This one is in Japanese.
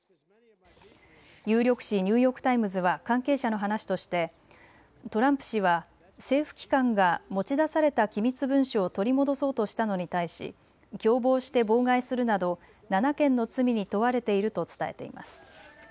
有力紙、ニューヨーク・タイムズは関係者の話としてトランプ氏は政府機関が持ち出された機密文書を取り戻そうとしたのに対し共謀して妨害するなど７件の罪に問われていると伝えています。